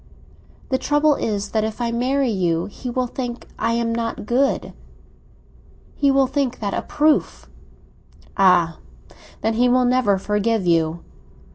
"The trouble is that if I marry you, he will think I am not good. He will think that a proof." "Ah, then, he will never forgive you!"